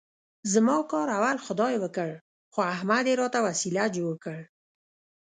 زما کار اول خدای وکړ، خو احمد یې راته وسیله جوړ کړ.